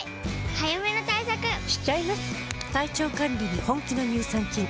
早めの対策しちゃいます。